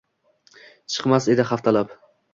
Chiqmas edi haftalab.